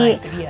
nah itu dia